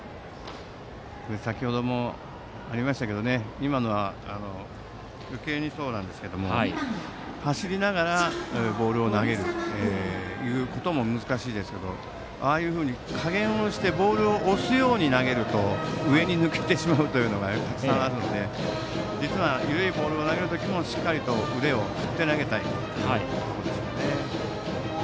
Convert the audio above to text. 先程もありましたけども今みたいに走りながらボールを投げることも難しいですがああいうふうに加減してボールを押すように投げると上に抜けてしまうのがたくさんあるので緩いボールを投げる時もしっかり腕を振って投げたいところですね。